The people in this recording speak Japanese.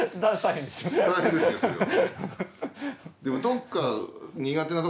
大変ですよそれは。